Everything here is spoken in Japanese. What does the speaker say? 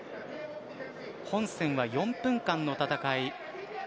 本戦は４分間の戦い。